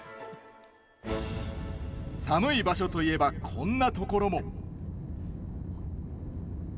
寒い場所といえばこんなところも。